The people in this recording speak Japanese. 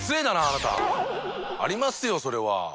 あなた！ありますよそれは。